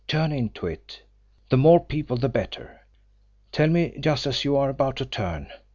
"Turn into it. The more people the better. Tell me just as you are about to turn."